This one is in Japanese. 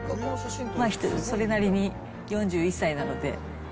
それなりに、４１歳なので。